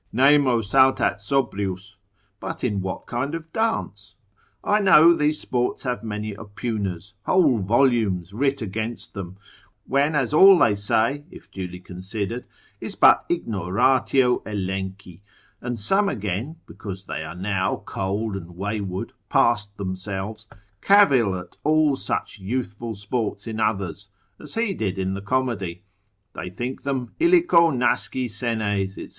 Nemo saltat sobrius. But in what kind of dance? I know these sports have many oppugners, whole volumes writ against them; when as all they say (if duly considered) is but ignoratio Elenchi; and some again, because they are now cold and wayward, past themselves, cavil at all such youthful sports in others, as he did in the comedy; they think them, illico nasci senes, &c.